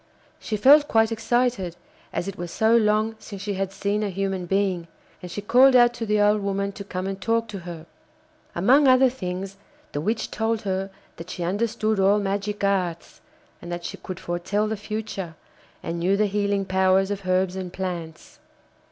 She felt quite excited, as it was so long since she had seen a human being, and she called out to the old woman to come and talk to her. Among other things the witch told her that she understood all magic arts, and that she could foretell the future, and knew the healing powers of herbs and plants.